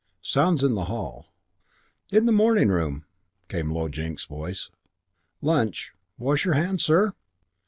Sounds in the hall. "In the morning room," came Low Jinks's voice. "Lunch ... wash your hands, sir?"